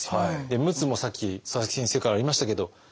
陸奥もさっき佐々木先生からありましたけど